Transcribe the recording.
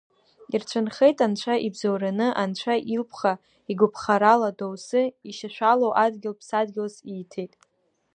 Ирцәынхеит анцәа ибзоураны, анцәа илԥха-игәыԥхарала доусы ишьашәалоу адгьыл ԥсадгьылс ииҭеит…